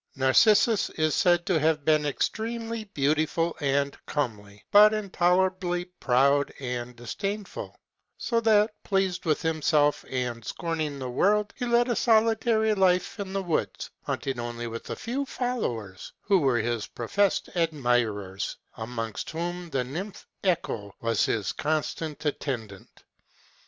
Narcissus is said to have been extremely beautiful and comely, but intolerably proud and disdainful; so that, pleased with himself, and scorning the world, he led a solitary life in the woods; hunting only with a few followers, who were his professed admirers, amongst whom the nymph Echo was his constant attendant.